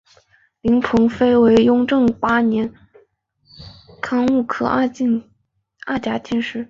林鹏飞为雍正八年庚戌科二甲进士。